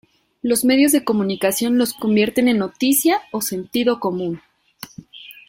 los medios de comunicación los convierten en noticia o sentido común